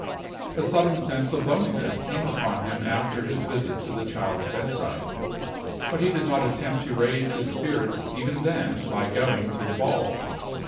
A sudden sense of loneliness came upon him after his visit to the child's bedside; but he did not attempt to raise his spirits even then by going to the ball.